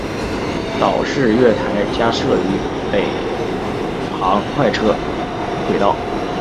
岛式月台加设于北行快车轨道。